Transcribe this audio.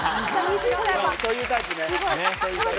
そういうタイプいる。